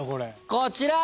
こちら！